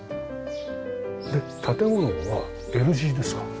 で建物はＬ字ですか？